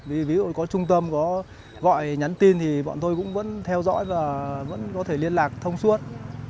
vì ví dụ có trung tâm có gọi nhắn tin thì bọn tôi cũng vẫn theo dõi và vẫn có thể liên lạc thông suốt